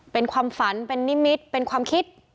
เป็นความฝันเป็นนิมิตรเป็นความคิด